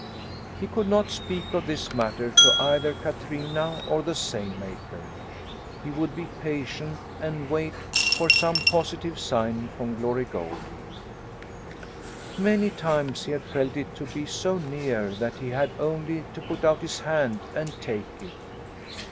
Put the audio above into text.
He could not speak of this matter to either Katrina or the seine maker. He would be patient and wait for some positive sign from Glory Goldie. Many times he had felt it to be so near that he had only to put out his hand and take it.